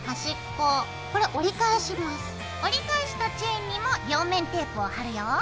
折り返したチェーンにも両面テープを貼るよ。